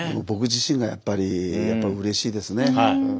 僕自身がやっぱりやっぱうれしいですね。